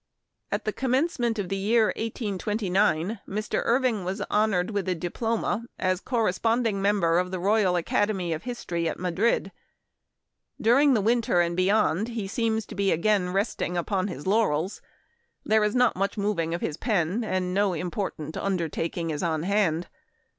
At the commencement of the year 1829 Mr. Irving was honored with a Diploma as Corre sponding Member of the Royal Academy of History at Madrid. During the winter and beyond, he seems to be again resting upon his laurels. There is not much moving of his pen and no important undertaking is on hand.